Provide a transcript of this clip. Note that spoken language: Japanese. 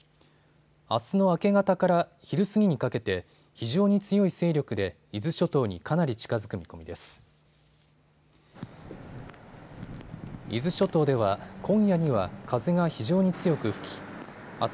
あすの明け方から昼過ぎにかけて非常に強い勢力で伊豆諸島にかなり近づく見込みです。